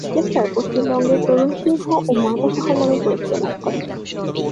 Rochester "পশ্চিমের তরুণ সিংহ" ও "ময়দা শহর"নামে পরিচিতি লাভ করে।